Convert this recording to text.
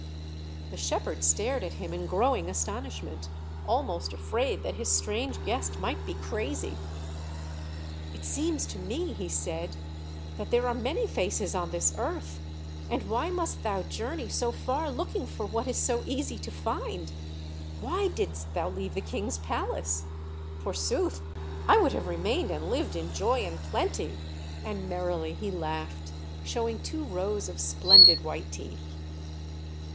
The shepherd stared at him in growing astonishment, almost afraid that his strange guest might be crazy. "It seems to me," he said, "that there are many faces on this earth; and why must thou journey so far looking for what is so easy to find? Why didst thou leave the king's palace? Forsooth, I would have remained and lived in joy and plenty;" and merrily he laughed, showing two rows of splendid white teeth.